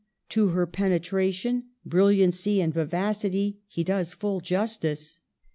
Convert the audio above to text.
To her penetration, bril liancy and vivacity, he does full justice.